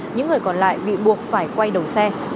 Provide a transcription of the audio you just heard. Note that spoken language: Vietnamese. những người còn lại bị buộc phải quay đầu xe